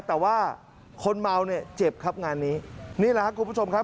แต่ว่าคนเมาเนี่ยเจ็บครับงานนี้นี่แหละครับคุณผู้ชมครับ